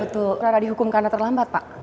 tidak dihukum karena terlambat pak